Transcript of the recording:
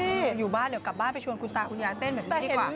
อยู่บ้านเดี๋ยวกลับบ้านไปชวนคุณตาคุณยายเต้นแบบนี้ดีกว่า